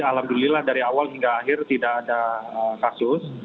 alhamdulillah dari awal hingga akhir tidak ada kasus